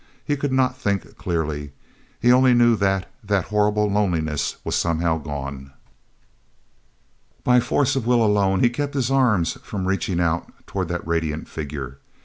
He could not think clearly. He knew only that that horrible loneliness was somehow gone. By force of will alone he kept his arms from reaching out toward that radiant figure.